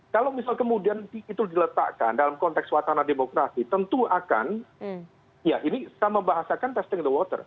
kalau misal kemudian itu diletakkan dalam konteks wacana demokrasi tentu akan ya ini saya membahasakan testing the water